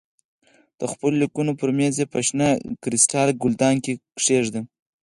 د خپلو لیکلو پر مېز یې په شنه کریسټال ګلدان کې کېږدې.